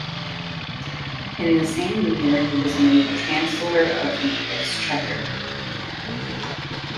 In the same year he was made chancellor of the exchequer.